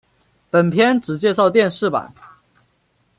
本篇只介绍电视版。